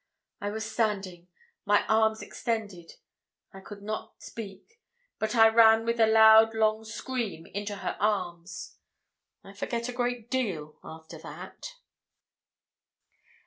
I was standing, my arms extended. I could not speak; but I ran with a loud long scream into her arms. I forget a great deal after that.